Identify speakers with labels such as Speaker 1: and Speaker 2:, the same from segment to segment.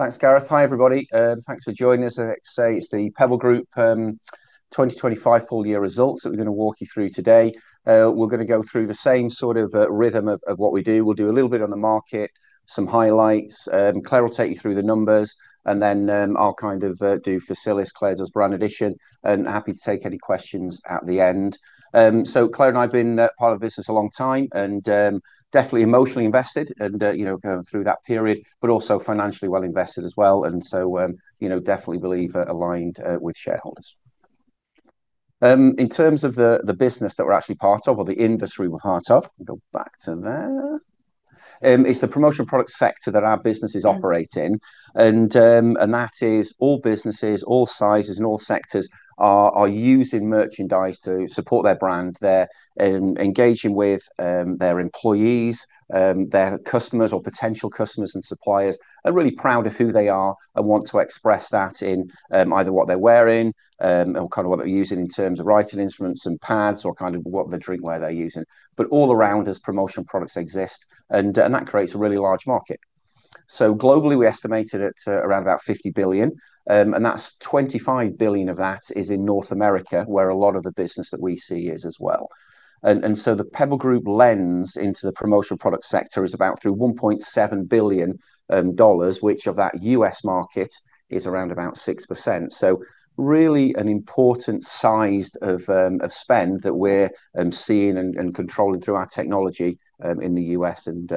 Speaker 1: Thanks, Gareth. Hi, everybody. Thanks for joining us. Like I say, it's The Pebble Group 2025 full year results that we're gonna walk you through today. We're gonna go through the same sort of rhythm of what we do. We'll do a little bit on the market, some highlights. Claire will take you through the numbers, and then I'll kind of do Facilisgroup. Claire does Brand Addition, and happy to take any questions at the end. Claire and I have been part of the business a long time, and definitely emotionally invested and you know, kind of through that period, but also financially well invested as well, and you know, definitely believe aligned with shareholders. In terms of the business that we're actually part of or the industry we're part of, go back to there. It's the promotional product sector that our business is operating, and that is all businesses, all sizes, and all sectors are using merchandise to support their brand. They're engaging with their employees, their customers or potential customers and suppliers. They're really proud of who they are and want to express that in either what they're wearing or kind of what they're using in terms of writing instruments and pads or kind of what the drinkware they're using. All around, as promotional prod ucts exist and that creates a really large market. Globally, we estimate it at around about $50 billion, and that's $25 billion of that is in North America where a lot of the business that we see is as well. The Pebble Group lens into the promotional product sector is about through $1.7 billion, which of that U.S. market is around about 6%. Really an important size of spend that we're seeing and controlling through our technology in the U.S. and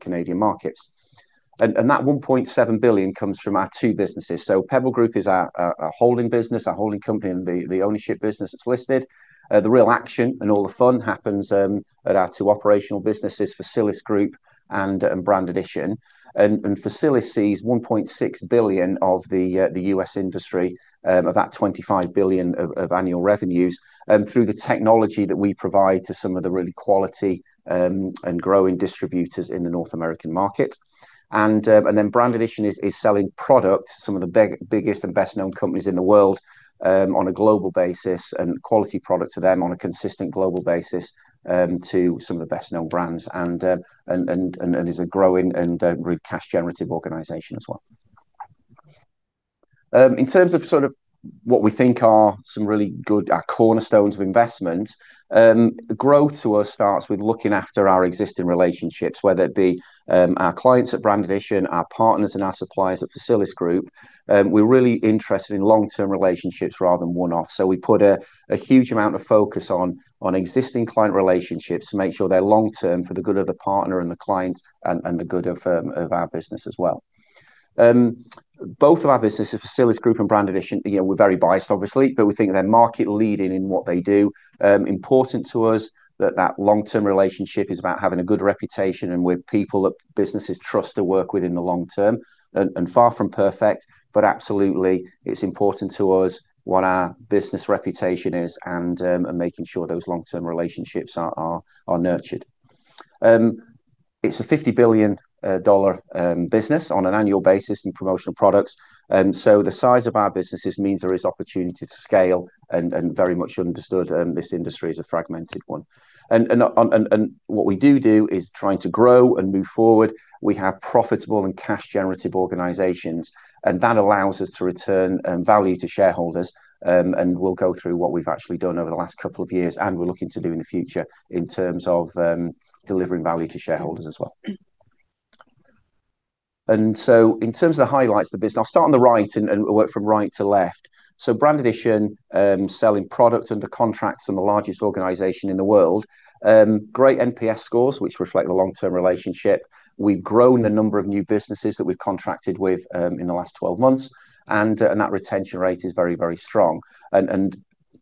Speaker 1: Canadian markets. That $1.7 billion comes from our two businesses. The Pebble Group is our holding business, our holding company, and the ownership business that's listed. The real action and all the fun happens at our two operational businesses, Facilisgroup and Brand Addition. Facilisgroup sees $1.6 billion of the U.S. industry of that $25 billion of annual revenues through the technology that we provide to some of the really quality and growing distributors in the North American market. Brand Addition is selling product to some of the biggest and best-known companies in the world on a global basis and quality product to them on a consistent global basis to some of the best-known brands and is a growing and really cash generative organization as well. In terms of sort of what we think are some really good, our cornerstones of investment, growth to us starts with looking after our existing relationships, whether it be, our clients at Brand Addition, our partners and our suppliers at Facilisgroup, we're really interested in long-term relationships rather than one-off. We put a huge amount of focus on existing client relationships to make sure they're long-term for the good of the partner and the client and the good of our business as well. Both of our businesses, Facilisgroup and Brand Addition, you know, we're very biased obviously, but we think they're market leading in what they do. Important to us that long-term relationship is about having a good reputation and we're people that businesses trust to work with in the long term. Far from perfect, but absolutely it's important to us what our business reputation is and making sure those long-term relationships are nurtured. It's a $50 billion business on an annual basis in promotional products. The size of our businesses means there is opportunity to scale and very much understood, this industry is a fragmented one. What we do is try to grow and move forward. We have profitable and cash generative organizations, and that allows us to return value to shareholders, and we'll go through what we've actually done over the last couple of years and we're looking to do in the future in terms of delivering value to shareholders as well. In terms of the highlights of the business, I'll start on the right and work from right to left. Brand Addition, selling product under contracts from the largest organization in the world. Great NPS scores, which reflect the long-term relationship. We've grown the number of new businesses that we've contracted with in the last 12 months and that retention rate is very, very strong.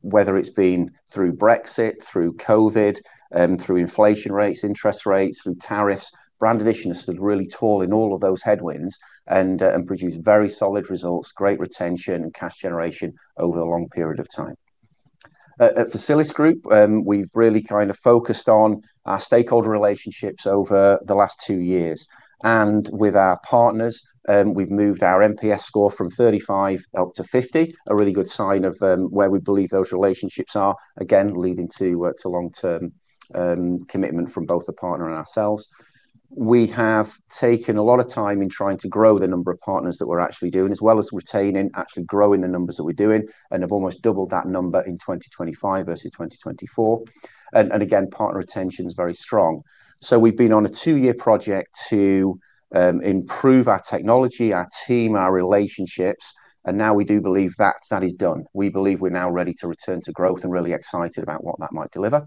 Speaker 1: Whether it's been through Brexit, through COVID, through inflation rates, interest rates, through tariffs, Brand Addition has stood really tall in all of those headwinds and produced very solid results, great retention and cash generation over a long period of time. At Facilisgroup, we've really kind of focused on our stakeholder relationships over the last 2 years. With our partners, we've moved our NPS score from 35 up to 50, a really good sign of where we believe those relationships are, again, leading to to long-term commitment from both the partner and ourselves. We have taken a lot of time in trying to grow the number of partners that we're actually doing, as well as retaining, actually growing the numbers that we're doing, and have almost doubled that number in 2025 versus 2024. Again, partner retention is very strong. We've been on a two-year project to improve our technology, our team, our relationships, and now we do believe that that is done. We believe we're now ready to return to growth and really excited about what that might deliver.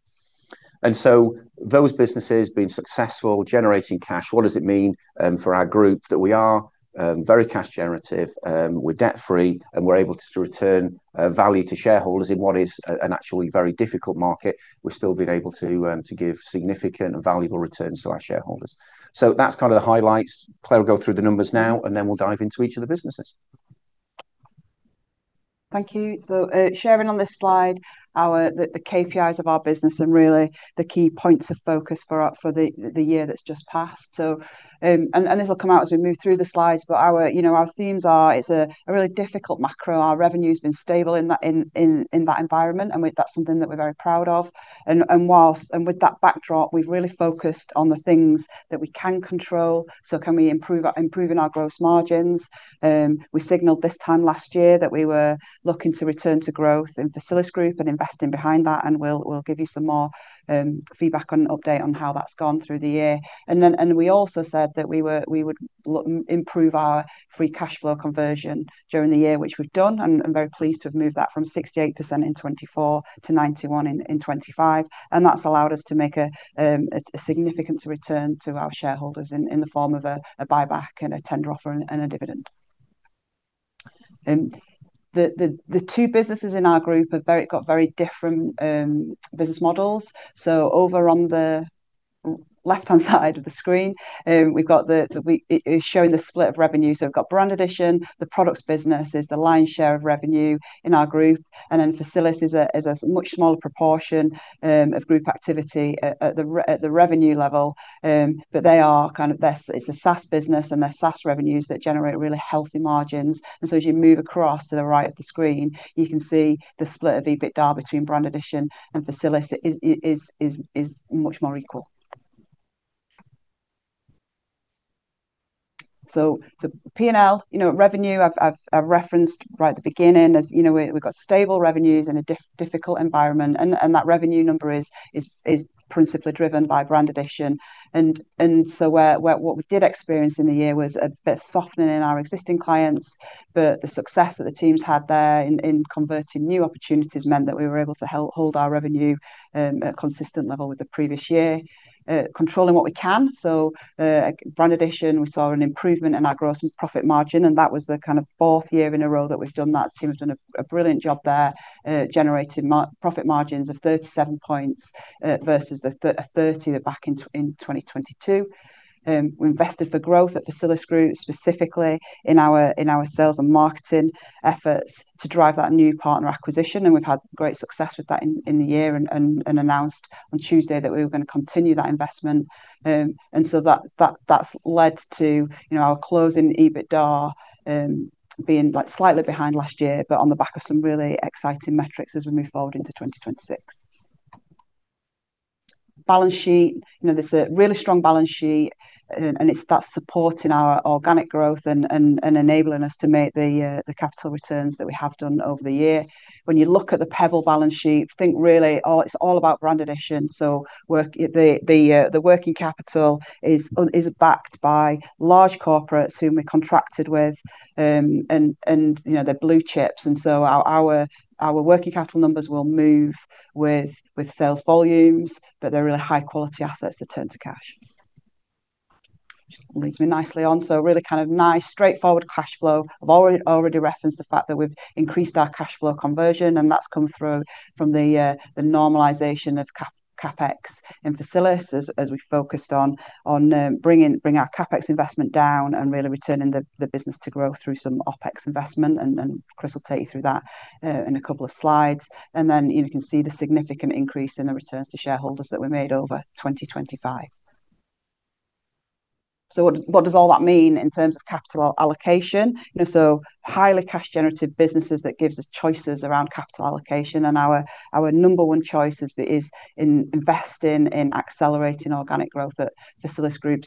Speaker 1: Those businesses being successful, generating cash, what does it mean for our group? That we are very cash generative, we're debt free, and we're able to return value to shareholders in what is actually a very difficult market. We've still been able to give significant and valuable returns to our shareholders. That's kind of the highlights. Claire will go through the numbers now, and then we'll dive into each of the businesses.
Speaker 2: Thank you. Sharing on this slide the KPIs of our business and really the key points of focus for the year that's just passed. This will come out as we move through the slides, but our, you know, our themes are it's a really difficult macro. Our revenue's been stable in that environment, and that's something that we're very proud of. With that backdrop, we've really focused on the things that we can control. Can we improve our gross margins? We signaled this time last year that we were looking to return to growth in Facilisgroup and investing behind that, and we'll give you some more feedback and update on how that's gone through the year. We also said that we would improve our free cash flow conversion during the year, which we've done, and I'm very pleased to have moved that from 68% in 2024 to 91% in 2025, and that's allowed us to make a significant return to our shareholders in the form of a buyback and a tender offer and a dividend. The two businesses in our group have very different business models. Over on the left-hand side of the screen, we've got it's showing the split of revenue. We've got Brand Addition, the products business is the lion's share of revenue in our group, and then Facilisgroup is a much smaller proportion of group activity at the revenue level. It's a SaaS business, and they're SaaS revenues that generate really healthy margins. As you move across to the right of the screen, you can see the split of EBITDA between Brand Addition and Facilisgroup is much more equal. The P&L, you know, revenue I've referenced right at the beginning. As you know, we've got stable revenues in a difficult environment, and that revenue number is principally driven by Brand Addition. What we did experience in the year was a bit of softening in our existing clients, but the success that the teams had there in converting new opportunities meant that we were able to hold our revenue at a consistent level with the previous year, controlling what we can. Brand Addition, we saw an improvement in our gross profit margin, and that was the kind of fourth year in a row that we've done that. Team have done a brilliant job there, generating profit margins of 37% versus the 30% back in 2022. We invested for growth at Facilisgroup, specifically in our sales and marketing efforts to drive that new partner acquisition, and we've had great success with that in the year and announced on Tuesday that we were gonna continue that investment. That's led to, you know, our closing EBITDA being like slightly behind last year, but on the back of some really exciting metrics as we move forward into 2026. Balance sheet. You know, there's a really strong balance sheet and it starts supporting our organic growth and enabling us to make the capital returns that we have done over the year. When you look at the Pebble balance sheet, think really, oh, it's all about Brand Addition. The working capital is backed by large corporates whom we contracted with, and you know, they're blue chips. Our working capital numbers will move with sales volumes, but they're really high-quality assets that turn to cash. Which leads me nicely on, really kind of nice straightforward cash flow. I've already referenced the fact that we've increased our cash flow conversion, and that's come through from the normalization of CapEx in Facilisgroup as we focused on bringing our CapEx investment down and really returning the business to growth through some OpEx investment. Chris will take you through that in a couple of slides. You know, you can see the significant increase in the returns to shareholders that we made over 2025. What does all that mean in terms of capital allocation? You know, highly cash generative businesses that gives us choices around capital allocation, and our number one choice is in investing in accelerating organic growth at Facilisgroup.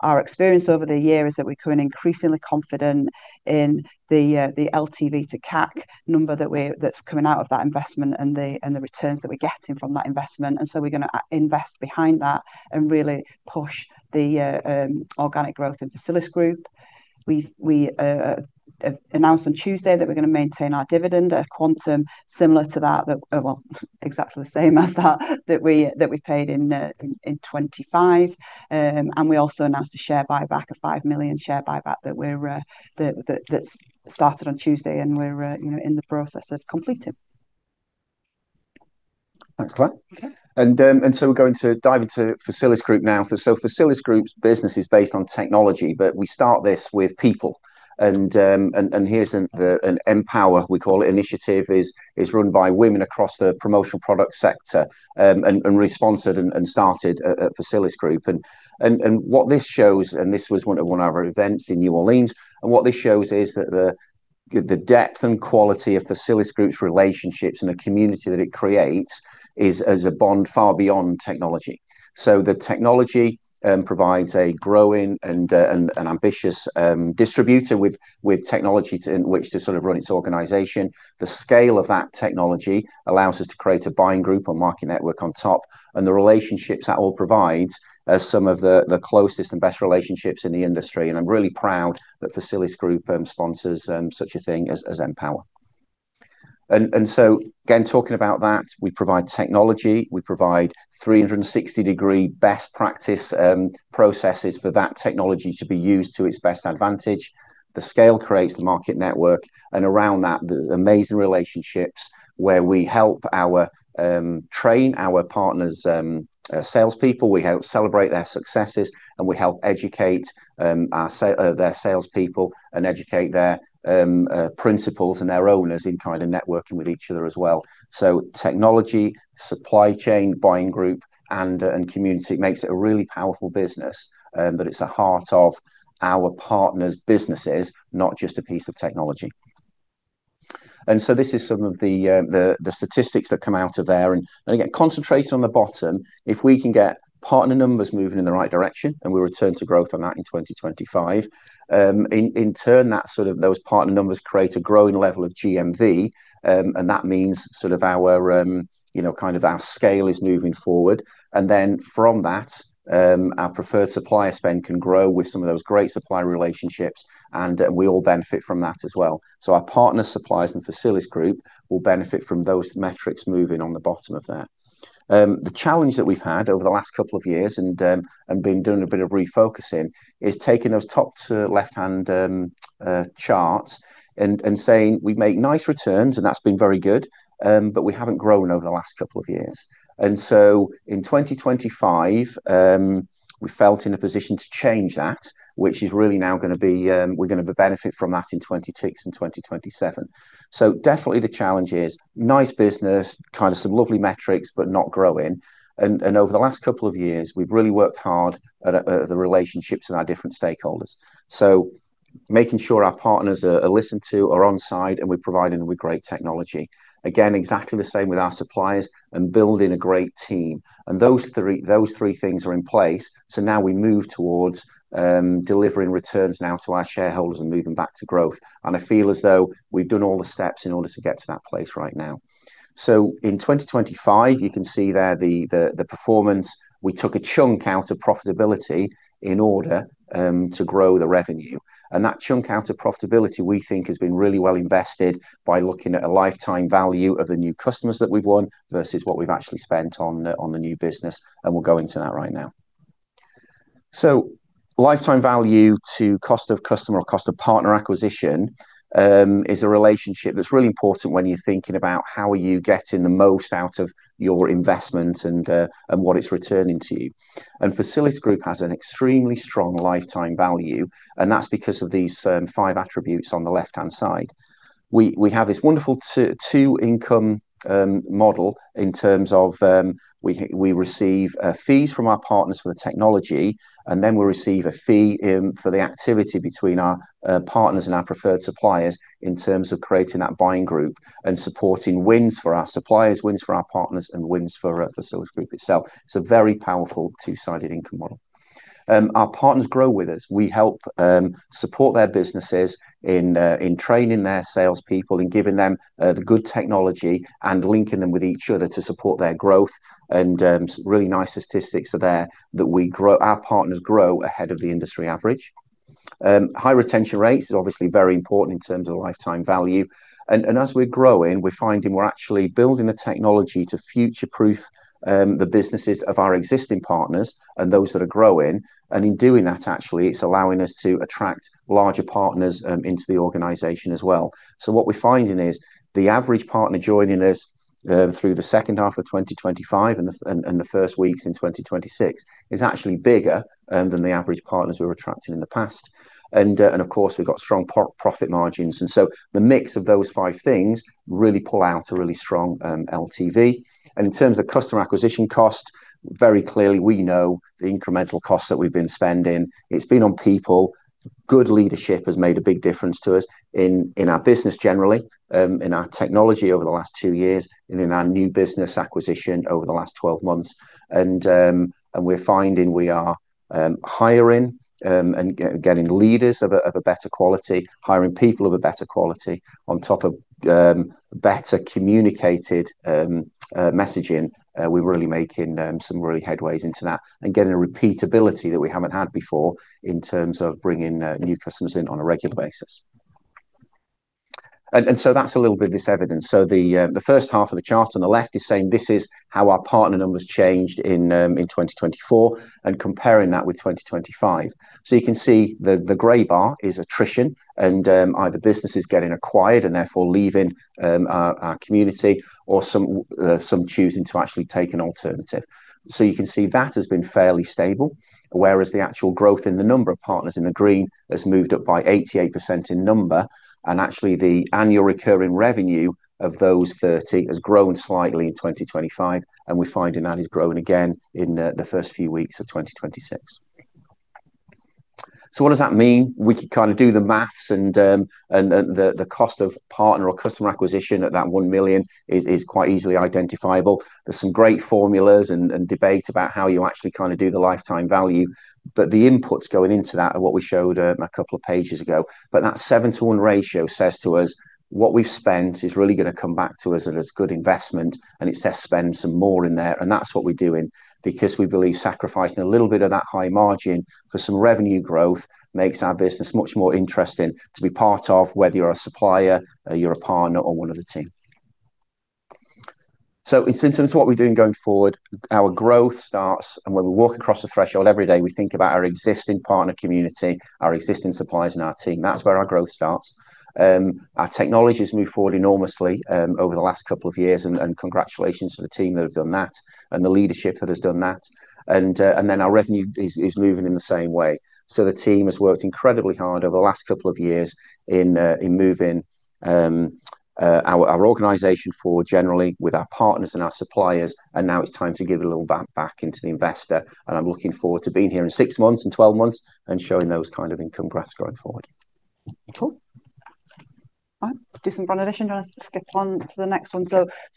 Speaker 2: Our experience over the year is that we're becoming increasingly confident in the LTV to CAC number that's coming out of that investment and the returns that we're getting from that investment. We're gonna invest behind that and really push the organic growth in Facilisgroup. We announced on Tuesday that we're gonna maintain our dividend at a quantum similar to that, well, exactly the same as that we paid in 2025. We also announced a share buyback of 5 million that started on Tuesday and we're, you know, in the process of completing.
Speaker 1: Thanks, Claire.
Speaker 2: Okay.
Speaker 1: We're going to dive into Facilisgroup now. Facilisgroup's business is based on technology, but we start this with people. Here's an emPOWER, we call it, initiative is run by women across the promotional product sector, and really sponsored and started at Facilisgroup. What this shows, and this was one of our events in New Orleans, and what this shows is that the depth and quality of Facilisgroup's relationships and the community that it creates is a bond far beyond technology. The technology provides a growing and an ambitious distributor with technology in which to sort of run its organization. The scale of that technology allows us to create a buying group or market network on top. The relationships that all provides are some of the closest and best relationships in the industry, and I'm really proud that Facilisgroup sponsors such a thing as emPOWER. Again, talking about that, we provide technology, we provide 360-degree best practice processes for that technology to be used to its best advantage. The scale creates the market network, and around that, the amazing relationships where we help train our partners' salespeople, we help celebrate their successes, and we help educate their salespeople and educate their principals and their owners in kind of networking with each other as well. Technology, supply chain, buying group, and community makes it a really powerful business, but it's the heart of our partners' businesses, not just a piece of technology. This is some of the statistics that come out of there. Again, concentrate on the bottom. If we can get partner numbers moving in the right direction, and we return to growth on that in 2025, in turn, those partner numbers create a growing level of GMV, and that means sort of our, you know, kind of our scale is moving forward. Then from that, our preferred supplier spend can grow with some of those great supplier relationships, and we all benefit from that as well. Our partner suppliers and Facilisgroup will benefit from those metrics moving on the bottom of there. The challenge that we've had over the last couple of years and been doing a bit of refocusing is taking those top to left-hand charts and saying we make nice returns, and that's been very good, but we haven't grown over the last couple of years. In 2025, we felt in a position to change that, which is really now gonna be, we're gonna benefit from that in 2026 and 2027. Definitely the challenge is nice business, kind of some lovely metrics, but not growing. Over the last couple of years, we've really worked hard at the relationships with our different stakeholders. Making sure our partners are listened to, are on side, and we're providing them with great technology. Again, exactly the same with our suppliers and building a great team. Those three things are in place, so now we move towards delivering returns now to our shareholders and moving back to growth. I feel as though we've done all the steps in order to get to that place right now. In 2025, you can see there the performance. We took a chunk out of profitability in order to grow the revenue. That chunk out of profitability, we think, has been really well invested by looking at a lifetime value of the new customers that we've won versus what we've actually spent on the new business, and we'll go into that right now. Lifetime value to cost of customer or cost of partner acquisition is a relationship that's really important when you're thinking about how are you getting the most out of your investment and what it's returning to you. Facilisgroup has an extremely strong lifetime value, and that's because of these five attributes on the left-hand side. We have this wonderful two income model in terms of we receive fees from our partners for the technology, and then we receive a fee for the activity between our partners and our preferred suppliers in terms of creating that buying group and supporting wins for our suppliers, wins for our partners, and wins for Facilisgroup itself. It's a very powerful two-sided income model. Our partners grow with us. We help support their businesses in training their salespeople, in giving them the good technology, and linking them with each other to support their growth. Some really nice statistics are there that our partners grow ahead of the industry average. High retention rates are obviously very important in terms of lifetime value. As we're growing, we're finding we're actually building the technology to future-proof the businesses of our existing partners and those that are growing. In doing that, actually, it's allowing us to attract larger partners into the organization as well. What we're finding is the average partner joining us through the second half of 2025 and the first weeks in 2026 is actually bigger than the average partners we were attracting in the past. Of course, we've got strong gross profit margins. The mix of those five things really pull out a really strong LTV. In terms of customer acquisition cost, very clearly we know the incremental costs that we've been spending. It's been on people. Good leadership has made a big difference to us in our business generally, in our technology over the last two years, and in our new business acquisition over the last 12 months. We're finding we are hiring and getting leaders of a better quality, hiring people of a better quality on top of better communicated messaging. We're really making some real headway into that and getting a repeatability that we haven't had before in terms of bringing new customers in on a regular basis. That's a little bit of this evidence. The first half of the chart on the left is saying this is how our partner numbers changed in 2024 and comparing that with 2025. You can see the gray bar is attrition and either businesses getting acquired and therefore leaving our community or some choosing to actually take an alternative. You can see that has been fairly stable, whereas the actual growth in the number of partners in the green has moved up by 88% in number, and actually the annual recurring revenue of those 30 has grown slightly in 2025, and we're finding that is growing again in the first few weeks of 2026. What does that mean? We can kind of do the math and the cost of partner or customer acquisition at that 1 million is quite easily identifiable. There's some great formulas and debate about how you actually kind of do the lifetime value, but the inputs going into that are what we showed a couple of pages ago. That 7:1 ratio says to us, what we've spent is really gonna come back to us as good investment, and it says spend some more in there, and that's what we're doing because we believe sacrificing a little bit of that high margin for some revenue growth makes our business much more interesting to be part of, whether you're a supplier, you're a partner, or one of the team. In terms of what we're doing going forward, our growth starts, and when we walk across the threshold every day, we think about our existing partner community, our existing suppliers, and our team. That's where our growth starts. Our technology has moved forward enormously over the last couple of years, and congratulations to the team that have done that and the leadership that has done that. Then our revenue is moving in the same way. The team has worked incredibly hard over the last couple of years in moving our organization forward generally with our partners and our suppliers, and now it's time to give a little back into the investor, and I'm looking forward to being here in 6 months and 12 months and showing those kind of income graphs going forward.
Speaker 2: Cool. Right. Do some Brand Addition. Do you want to skip on to the next one?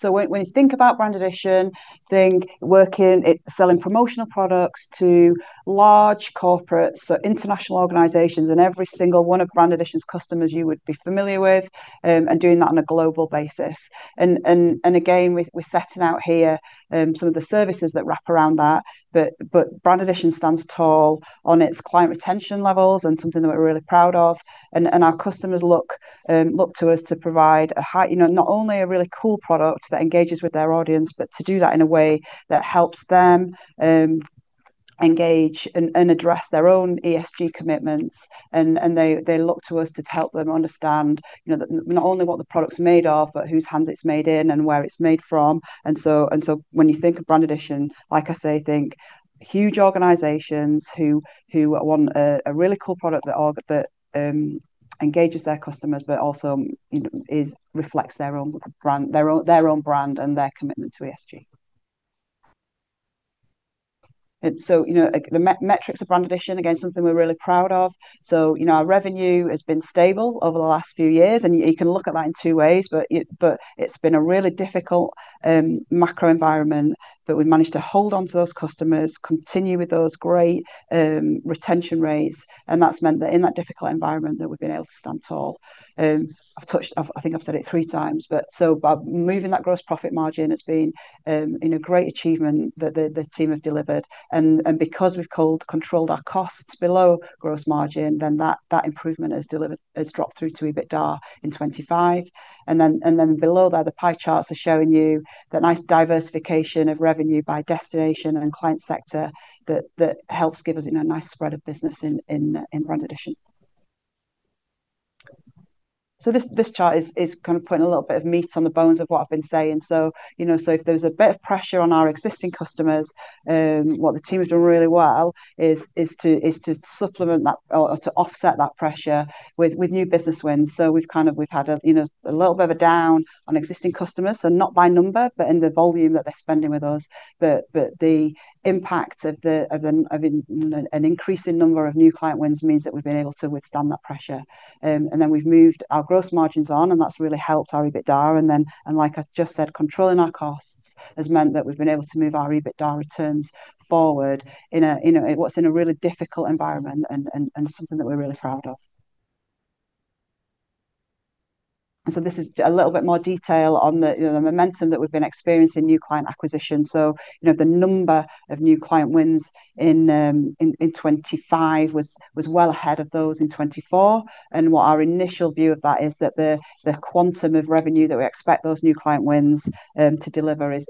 Speaker 2: When you think about Brand Addition, selling promotional products to large corporates or international organizations, and every single one of Brand Addition's customers you would be familiar with, and doing that on a global basis. Again, we're setting out here some of the services that wrap around that. Brand Addition stands tall on its client retention levels, and something that we're really proud of. Our customers look to us to provide a high. You know, not only a really cool product that engages with their audience, but to do that in a way that helps them engage and address their own ESG commitments. They look to us to help them understand, you know, not only what the product's made of, but whose hands it's made in and where it's made from. When you think of Brand Addition, like I say, think huge organizations who want a really cool product that engages their customers, but also, you know, reflects their own brand and their commitment to ESG. You know, like the metrics of Brand Addition, again, something we're really proud of. You know, our revenue has been stable over the last few years, and you can look at that in two ways, but it's been a really difficult macro environment. We've managed to hold on to those customers, continue with those great retention rates. That's meant that in that difficult environment, that we've been able to stand tall. I've, I think I've said it three times, but so by moving that gross profit margin, it's been, you know, a great achievement that the team have delivered. Because we've controlled our costs below gross margin, then that improvement has delivered, has dropped through to EBITDA in 2025. Below there, the pie charts are showing you the nice diversification of revenue by destination and client sector that helps give us, you know, a nice spread of business in Brand Addition. This chart is kind of putting a little bit of meat on the bones of what I've been saying. You know, if there's a bit of pressure on our existing customers, what the team has done really well is to supplement that or to offset that pressure with new business wins. We've kind of had a, you know, a little bit of a down on existing customers, so not by number, but in the volume that they're spending with us. But the impact of an increase in number of new client wins means that we've been able to withstand that pressure. We've moved our gross margins on, and that's really helped our EBITDA. Like I've just said, controlling our costs has meant that we've been able to move our EBITDA returns forward in what's been a really difficult environment and something that we're really proud of. This is a little bit more detail on the, you know, the momentum that we've been experiencing new client acquisition. You know, the number of new client wins in 2025 was well ahead of those in 2024. What our initial view of that is that the quantum of revenue that we expect those new client wins to deliver is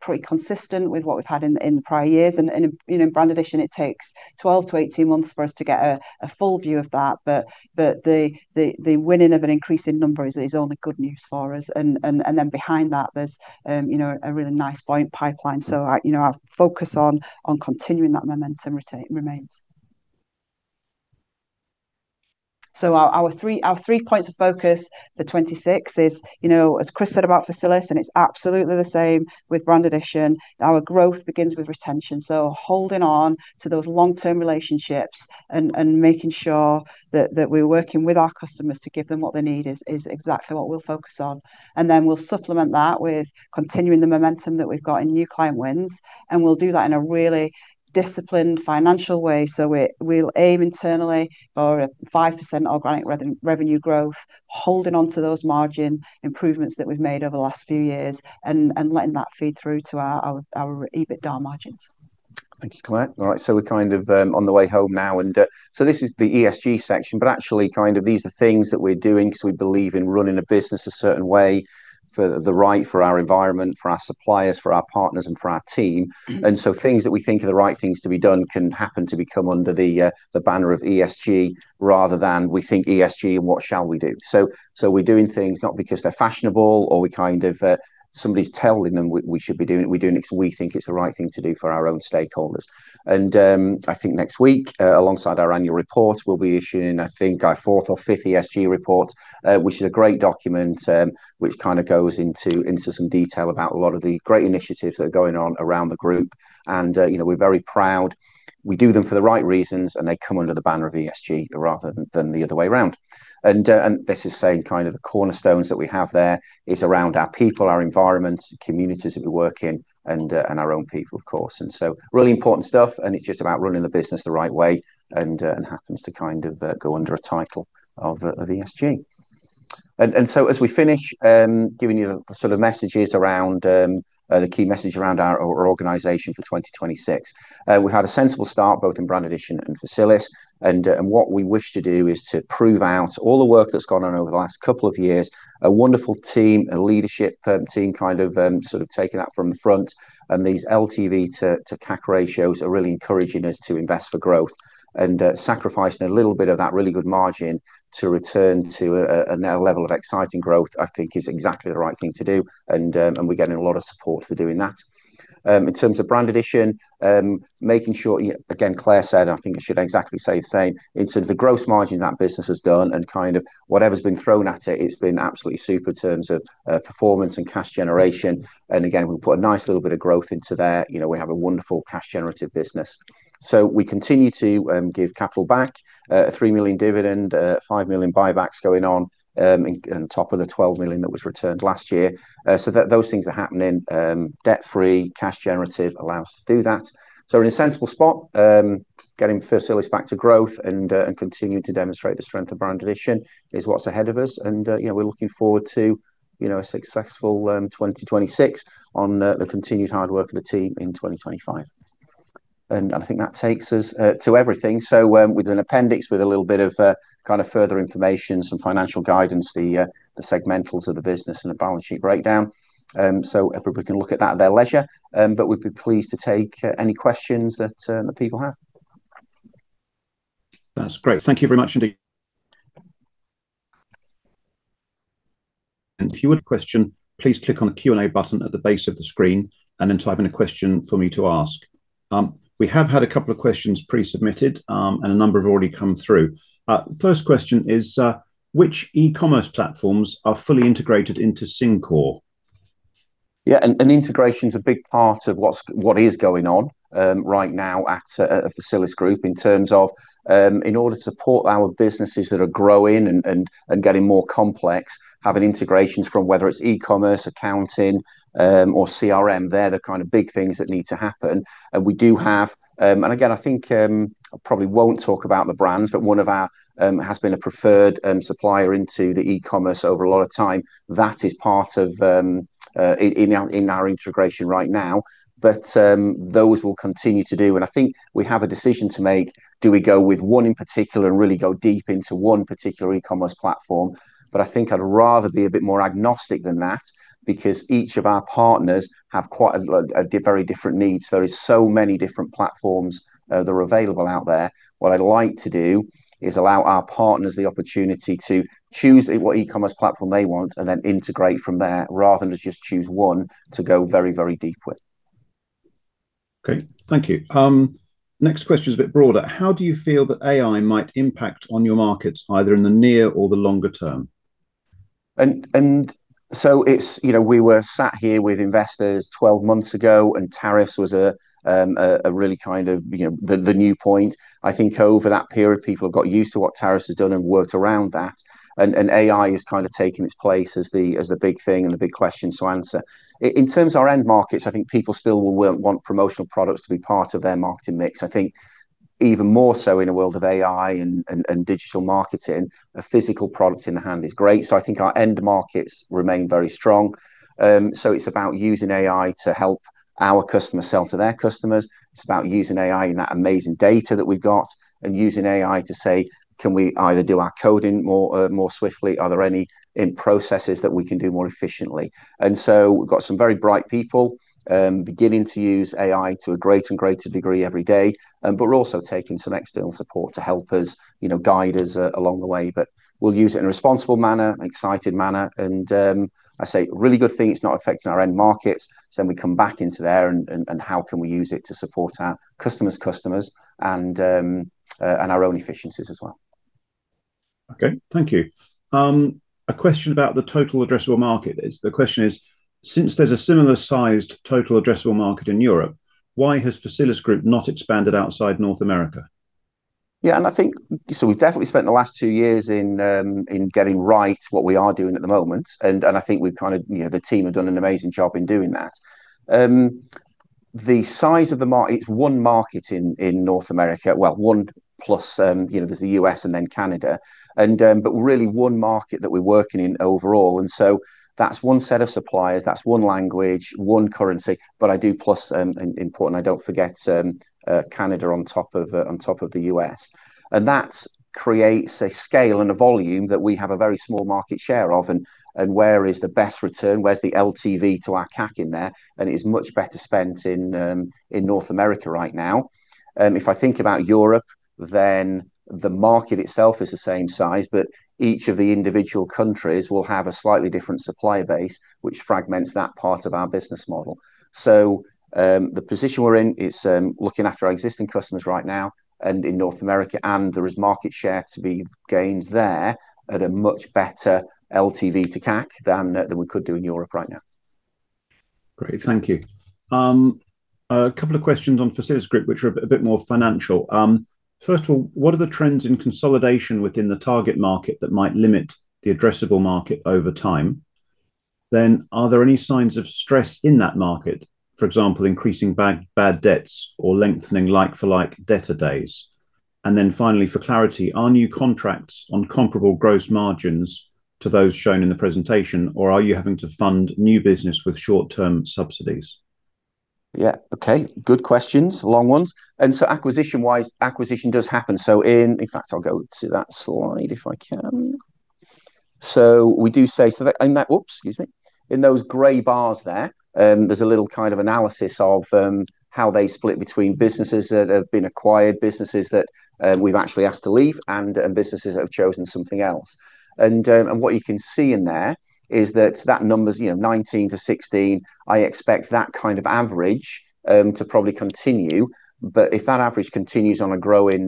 Speaker 2: pretty consistent with what we've had in prior years. You know, in Brand Addition it takes 12-18 months for us to get a full view of that. The winning of an increasing number is only good news for us. Behind that there's you know, a really nice pipeline. You know, our focus on continuing that momentum remains. Our three points of focus for 2026 is, you know, as Chris said about Facilisgroup, and it's absolutely the same with Brand Addition, our growth begins with retention. Holding on to those long-term relationships and making sure that we're working with our customers to give them what they need is exactly what we'll focus on. Then we'll supplement that with continuing the momentum that we've got in new client wins, and we'll do that in a really disciplined financial way. We'll aim internally for 5% organic revenue growth, holding onto those margin improvements that we've made over the last few years and letting that feed through to our EBITDA margins.
Speaker 1: Thank you, Claire. All right, we're kind of on the way home now. This is the ESG section, but actually kind of these are things that we're doing 'cause we believe in running a business a certain way for the right, for our environment, for our suppliers, for our partners, and for our team. Things that we think are the right things to be done can happen to become under the the banner of ESG rather than we think ESG and what shall we do. We're doing things not because they're fashionable or we kind of somebody's telling them we should be doing, we're doing it 'cause we think it's the right thing to do for our own stakeholders. I think next week, alongside our annual report, we'll be issuing, I think, our fourth or fifth ESG report, which is a great document, which kind of goes into some detail about a lot of the great initiatives that are going on around the group. You know, we're very proud. We do them for the right reasons, and they come under the banner of ESG rather than the other way around. This is saying kind of the cornerstones that we have there is around our people, our environment, communities that we work in, and our own people, of course. Really important stuff, and it's just about running the business the right way and happens to kind of go under a title of ESG. as we finish giving you the sort of messages around the key message around our organization for 2026, we've had a sensible start both in Brand Addition and Facilisgroup. What we wish to do is to prove out all the work that's gone on over the last couple of years. A wonderful team, a leadership team, kind of, sort of taking that from the front. These LTV to CAC ratios are really encouraging us to invest for growth. Sacrificing a little bit of that really good margin to return to a level of exciting growth, I think is exactly the right thing to do. We're getting a lot of support for doing that. In terms of Brand Addition, making sure, again, Claire said, and I think I should exactly say the same, in terms of the gross margin that business has done and kind of whatever's been thrown at it's been absolutely super in terms of performance and cash generation. Again, we'll put a nice little bit of growth into there. You know, we have a wonderful cash generative business. We continue to give capital back, 3 million dividend, five million buybacks going on top of the 12 million that was returned last year. Those things are happening, debt-free, cash generative allow us to do that. We're in a sensible spot. Getting Facilisgroup back to growth and continuing to demonstrate the strength of Brand Addition is what's ahead of us. You know, we're looking forward to, you know, a successful 2026 on the continued hard work of the team in 2025. I think that takes us to everything. With an appendix with a little bit of kind of further information, some financial guidance, the segmentals of the business and a balance sheet breakdown. Everybody can look at that at their leisure. We'd be pleased to take any questions that people have.
Speaker 3: That's great. Thank you very much indeed. If you have a question, please click on the Q&A button at the base of the screen and then type in a question for me to ask. We have had a couple of questions pre-submitted, and a number have already come through. First question is, which e-commerce platforms are fully integrated into Syncore?
Speaker 1: Yeah. Integration is a big part of what is going on right now at Facilisgroup in terms of in order to support our businesses that are growing and getting more complex, having integrations from whether it's e-commerce, accounting, or CRM, they're the kind of big things that need to happen. We do have, and again, I think, I probably won't talk about the brands, but one of our has been a preferred supplier into the e-commerce over a lot of time. That is part of in our integration right now. Those we'll continue to do. I think we have a decision to make. Do we go with one in particular and really go deep into one particular e-commerce platform? I think I'd rather be a bit more agnostic than that because each of our partners have quite a very different needs. There is so many different platforms that are available out there. What I'd like to do is allow our partners the opportunity to choose what e-commerce platform they want and then integrate from there rather than just choose one to go very deep with.
Speaker 3: Great. Thank you. Next question is a bit broader. How do you feel that AI might impact on your markets, either in the near or the longer term?
Speaker 1: It's you know we were sat here with investors 12 months ago and tariffs was a really kind of you know the new point. I think over that period people have got used to what tariffs has done and worked around that. AI has kind of taken its place as the big thing and the big question to answer. In terms of our end markets I think people still will want promotional products to be part of their marketing mix. I think even more so in a world of AI and digital marketing a physical product in the hand is great. I think our end markets remain very strong. It's about using AI to help our customers sell to their customers. It's about using AI and that amazing data that we've got and using AI to say, "Can we either do our coding more swiftly? Are there any end processes that we can do more efficiently?" We've got some very bright people, beginning to use AI to a great and greater degree every day. We're also taking some external support to help us, you know, guide us along the way. We'll use it in a responsible manner, an excited manner and, I say really good thing it's not affecting our end markets. We come back into there and how can we use it to support our customers' customers and our own efficiencies as well.
Speaker 3: Okay. Thank you. A question about the total addressable market is. The question is, since there's a similar sized total addressable market in Europe, why has Facilisgroup not expanded outside North America?
Speaker 1: Yeah. I think we've definitely spent the last two years in getting right what we are doing at the moment. I think we've kind of, you know, the team have done an amazing job in doing that. It's one market in North America. Well, one plus, you know, there's the U.S. and then Canada and, but really one market that we're working in overall. That's one set of suppliers, that's one language, one currency. I do, plus, and importantly, I don't forget, Canada on top of the U.S. That creates a scale and a volume that we have a very small market share of and where is the best return, where's the LTV to our CAC in there, and it is much better spent in North America right now. If I think about Europe, then the market itself is the same size, but each of the individual countries will have a slightly different supplier base, which fragments that part of our business model. The position we're in is looking after our existing customers right now and in North America, and there is market share to be gained there at a much better LTV to CAC than we could do in Europe right now.
Speaker 3: Great. Thank you. A couple of questions on Facilisgroup, which are a bit more financial. First of all, what are the trends in consolidation within the target market that might limit the addressable market over time? Are there any signs of stress in that market, for example, increasing bad debts or lengthening like for like debtor days? Finally, for clarity, are new contracts on comparable gross margins to those shown in the presentation, or are you having to fund new business with short-term subsidies?
Speaker 1: Yeah. Okay. Good questions. Long ones. Acquisition-wise, acquisition does happen. In fact, I'll go to that slide if I can. We do say. Oops, excuse me. In those gray bars there's a little kind of analysis of how they split between businesses that have been acquired, businesses that we've actually asked to leave, and businesses that have chosen something else. What you can see in there is that number's, you know, 19 to 16. I expect that kind of average to probably continue. But if that average continues on a growing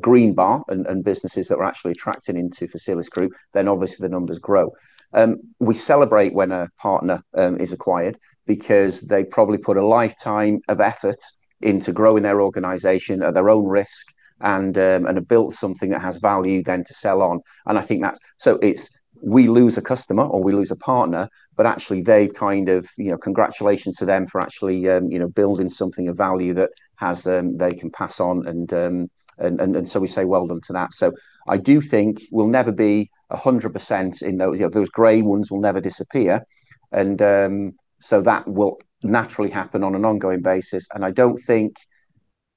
Speaker 1: green bar and businesses that we're actually attracting into Facilisgroup, then obviously the numbers grow. We celebrate when a partner is acquired because they probably put a lifetime of effort into growing their organization at their own risk and have built something that has value then to sell on. I think that's it. It's we lose a customer or we lose a partner, but actually they've kind of, you know, congratulations to them for actually, you know, building something of value that has they can pass on and so we say well done to that. I do think we'll never be 100% in those, you know, those gray ones will never disappear and so that will naturally happen on an ongoing basis, and I don't think.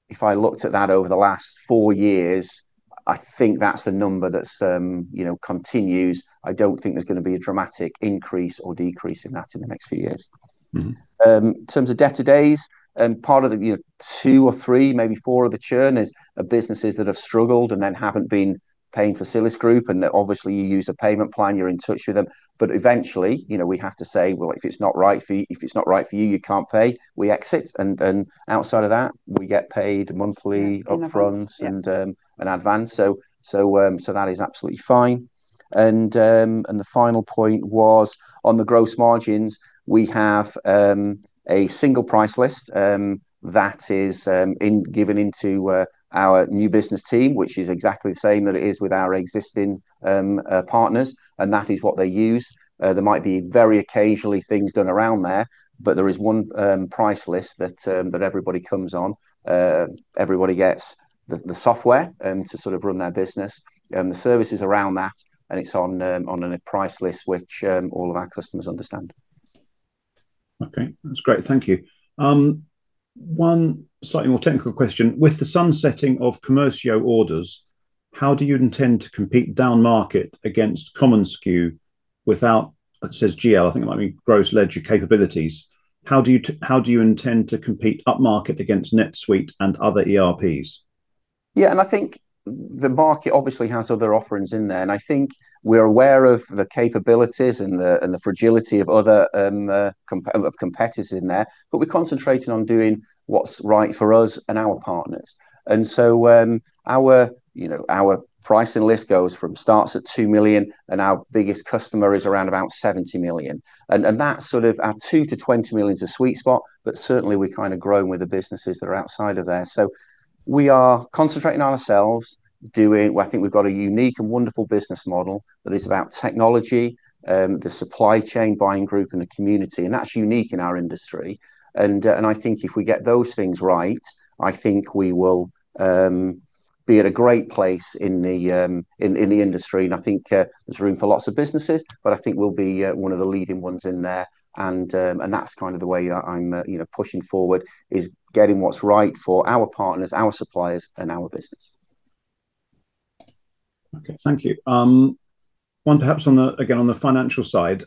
Speaker 1: If I looked at that over the last four years, I think that's the number that's, you know, continues. I don't think there's gonna be a dramatic increase or decrease in that in the next few years.
Speaker 3: Mm-hmm.
Speaker 1: In terms of debtor days, part of the, you know, 2 or 3, maybe 4 of the churn is of businesses that have struggled and then haven't been paying Facilisgroup, and then obviously you use a payment plan, you're in touch with them. Eventually, you know, we have to say, "Well, if it's not right for you can't pay," we exit, and outside of that, we get paid monthly.
Speaker 2: Monthly.
Speaker 1: Upfront-
Speaker 2: Yeah.
Speaker 1: that is absolutely fine. The final point was on the gross margins. We have a single price list that is given to our new business team, which is exactly the same that it is with our existing partners, and that is what they use. There might be very occasionally things done around there, but there is one price list that everybody comes on. Everybody gets the software to sort of run their business, the services around that, and it's on a price list which all of our customers understand.
Speaker 3: Okay. That's great. Thank you. One slightly more technical question. With the sunsetting of Commercio orders, how do you intend to compete downmarket against commonsku without, it says GL, I think it might mean general ledger capabilities. How do you intend to compete upmarket against NetSuite and other ERPs?
Speaker 1: Yeah, I think the market obviously has other offerings in there, and I think we're aware of the capabilities and the fragility of other competitors in there, but we're concentrating on doing what's right for us and our partners. Our, you know, our pricing list goes from starts at 2 million, and our biggest customer is around about 70 million. That's sort of our 2 million-20 million is a sweet spot, but certainly we're kinda growing with the businesses that are outside of there. We are concentrating on ourselves. I think we've got a unique and wonderful business model that is about technology, the supply chain buying group and the community, and that's unique in our industry. I think if we get those things right, I think we will be at a great place in the industry. I think there's room for lots of businesses, but I think we'll be one of the leading ones in there and that's kind of the way I'm, you know, pushing forward, is getting what's right for our partners, our suppliers and our business.
Speaker 3: Okay, thank you. One perhaps on the, again, on the financial side,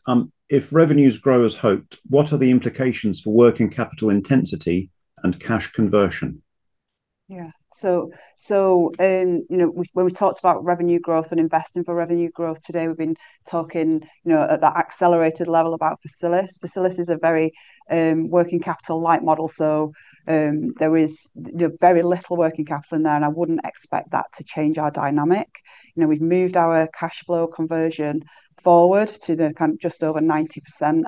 Speaker 3: if revenues grow as hoped, what are the implications for working capital intensity and cash conversion?
Speaker 2: Yeah. When we talked about revenue growth and investing for revenue growth today, we've been talking, you know, at that accelerated level about Facilisgroup. Facilisgroup is a very working capital light model, so there is, you know, very little working capital in there, and I wouldn't expect that to change our dynamic. You know, we've moved our cash flow conversion forward to the kind of just over 90%,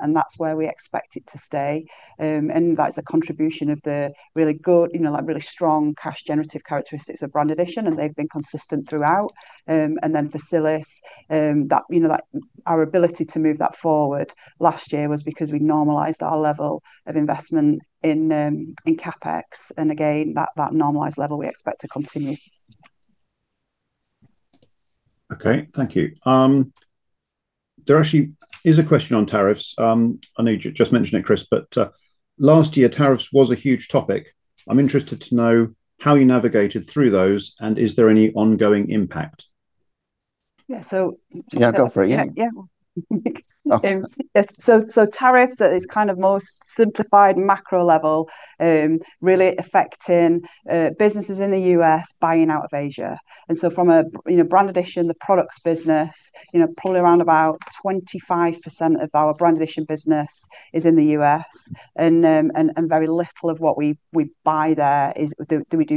Speaker 2: and that's where we expect it to stay. And that is a contribution of the really good, you know, like really strong cash generative characteristics of Brand Addition, and they've been consistent throughout. And then Facilisgroup, that, you know, our ability to move that forward last year was because we normalized our level of investment in CapEx, and again, that normalized level we expect to continue.
Speaker 3: Okay, thank you. There actually is a question on tariffs. I know you just mentioned it, Chris, but last year tariffs was a huge topic. I'm interested to know how you navigated through those, and is there any ongoing impact?
Speaker 2: Yeah.
Speaker 1: Yeah, go for it, yeah.
Speaker 2: Yeah, yeah.
Speaker 1: Oh.
Speaker 2: Tariffs at it's kind of most simplified macro level really affecting businesses in the U.S. buying out of Asia. From a, you know, Brand Addition, the products business, you know, probably around about 25% of our Brand Addition business is in the U.S., and very little of what we buy there is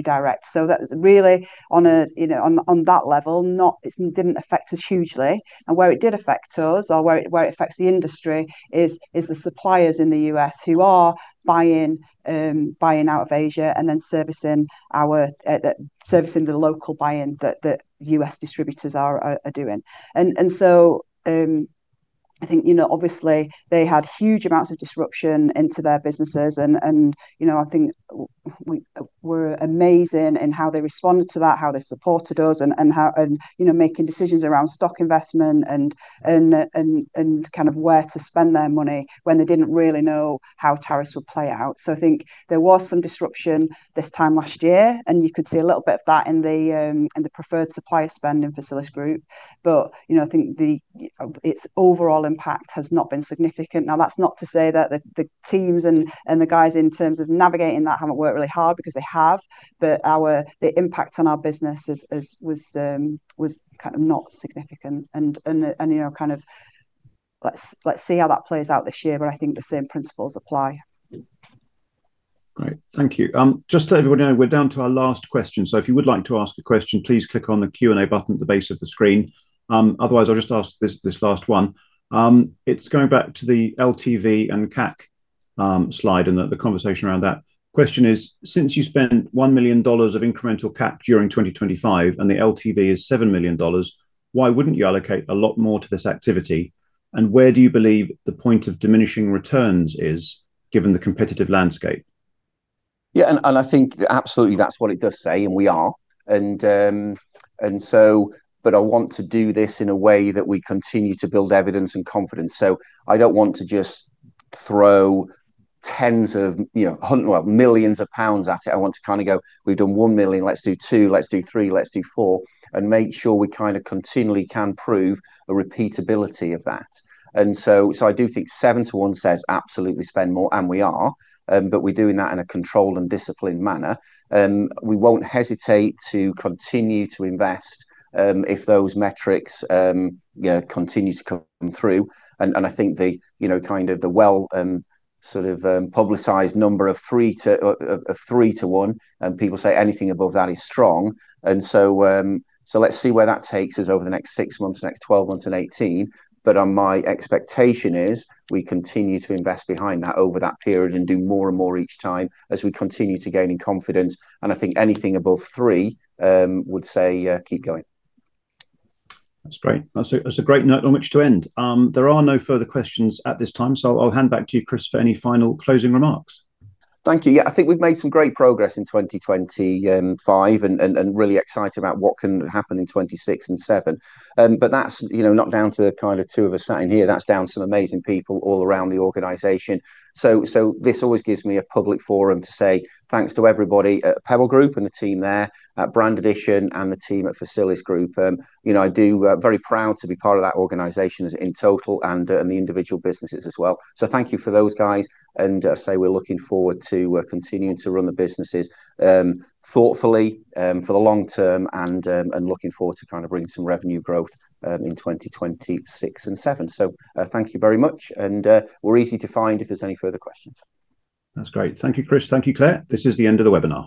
Speaker 2: direct. That really on a, you know, on that level, not. It didn't affect us hugely. Where it did affect us or where it affects the industry is the suppliers in the U.S. who are buying out of Asia and then servicing the local buying that U.S. distributors are doing. I think, you know, obviously they had huge amounts of disruption into their businesses and, you know, I think were amazing in how they responded to that, how they supported us and, how you know, making decisions around stock investment and kind of where to spend their money when they didn't really know how tariffs would play out. I think there was some disruption this time last year, and you could see a little bit of that in the preferred supplier spend in Facilisgroup. You know, I think its overall impact has not been significant. Now, that's not to say that the teams and the guys in terms of navigating that haven't worked really hard because they have, but the impact on our business was kind of not significant and, you know, kind of let's see how that plays out this year, but I think the same principles apply.
Speaker 3: Great. Thank you. Just to let everyone know, we're down to our last question, so if you would like to ask a question, please click on the Q&A button at the base of the screen. Otherwise, I'll just ask this last one. It's going back to the LTV and CAC slide and the conversation around that. Question is, since you spent $1 million of incremental CAC during 2025 and the LTV is $7 million, why wouldn't you allocate a lot more to this activity? And where do you believe the point of diminishing returns is given the competitive landscape?
Speaker 1: Yeah, I think absolutely that's what it does say, and we are. I want to do this in a way that we continue to build evidence and confidence. I don't want to just throw tens of, you know, well, millions pounds at it. I want to kinda go, "We've done 1 million, let's do 2, let's do 3, let's do 4," and make sure we kinda continually can prove a repeatability of that. I do think 7:1 says absolutely spend more, and we are, but we're doing that in a controlled and disciplined manner. We won't hesitate to continue to invest if those metrics continue to come through. I think you know the well-publicized number of 3:1. People say anything above that is strong. Let's see where that takes us over the next 6 months, the next 12 months and 18. My expectation is we continue to invest behind that over that period and do more and more each time as we continue to gain in confidence. I think anything above 3 would say keep going.
Speaker 3: That's great. That's a great note on which to end. There are no further questions at this time, so I'll hand back to you, Chris, for any final closing remarks.
Speaker 1: Thank you. Yeah, I think we've made some great progress in 2025 and really excited about what can happen in 2026 and 2027. That's, you know, not down to the kinda two of us sitting here, that's down to some amazing people all around the organization. This always gives me a public forum to say thanks to everybody at The Pebble Group and the team there at Brand Addition and the team at Facilisgroup. You know, I'm very proud to be part of that organization in total and the individual businesses as well. Thank you for those guys, and as I say, we're looking forward to continuing to run the businesses thoughtfully for the long term and looking forward to kind of bringing some revenue growth in 2026 and 2027. Thank you very much, and we're easy to find if there's any further questions.
Speaker 3: That's great. Thank you, Chris. Thank you, Claire. This is the end of the webinar.